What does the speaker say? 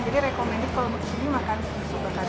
jadi rekomendasi kalau mau kesini makan sum sum bakarnya